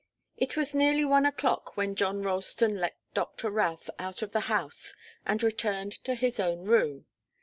It was nearly one o'clock when John Ralston let Doctor Routh out of the house and returned to his own room.